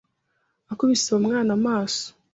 Akubise uwo mwana amaso